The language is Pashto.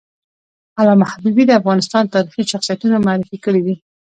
علامه حبیبي د افغانستان تاریخي شخصیتونه معرفي کړي دي.